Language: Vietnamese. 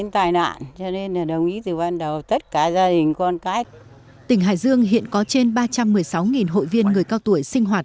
tỉnh hải dương hiện có trên ba trăm một mươi sáu hội viên người cao tuổi sinh hoạt